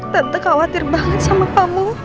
tentu khawatir banget sama kamu